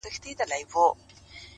ه ټول ياران دې ولاړل له يارانو سره;